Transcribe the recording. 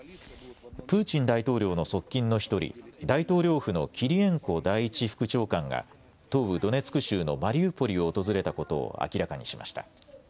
プーチン大統領の側近の１人、大統領府のキリエンコ第１副長官が、東部ドネツク州のマリウポリを訪れたことを明らかにしました。